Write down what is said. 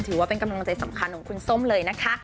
ถือว่าเป็นกำลังใจสำคัญของคุณส้มเลยนะคะ